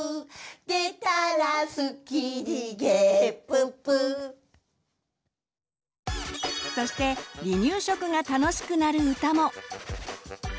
「でたらすっきりげっぷっぷ」そして離乳食が楽しくなる歌も。